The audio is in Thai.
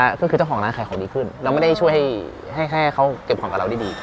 ก็คือเจ้าของร้านขายของดีขึ้นเราไม่ได้ช่วยให้ให้เขาเก็บของกับเราได้ดี